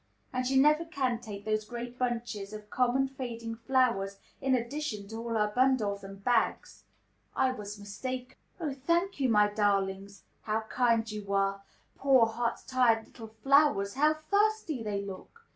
and she never can take those great bunches of common, fading flowers, in addition to all her bundles and bags." I was mistaken. "Oh, thank you, my darlings! How kind you were! Poor, hot, tired little flowers, how thirsty they look!